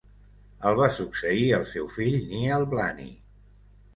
El va succeir el seu fill Niall Blaney.